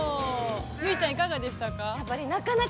結実ちゃん、いかがでしたか。